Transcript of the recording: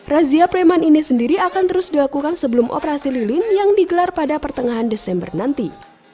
razia preman ini sendiri akan terus dilakukan sebelum operasi lilin yang digelar pada pertengahan desember nanti